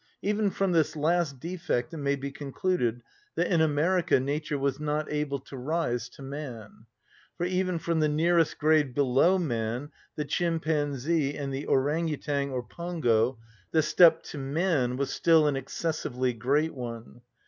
Even from this last defect it may be concluded that in America nature was not able to rise to man; for even from the nearest grade below man, the chimpanzee and the orang‐ outang or pongo, the step to man was still an excessively great one.